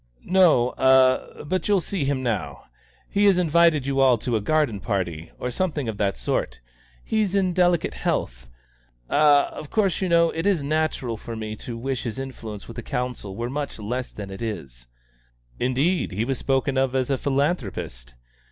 "No, ah but you'll see him now. He has invited you all to a garden party, or something of that sort. He's in delicate health. Ah of course, you know, it is natural for me to wish his influence with the Council were much less than it is." "Indeed! He was spoken of as a philanthropist."